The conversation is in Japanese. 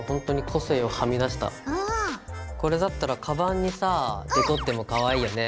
これだったらカバンにさデコってもかわいいよね。